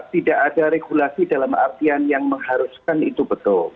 tidak ada regulasi dalam artian yang mengharuskan itu betul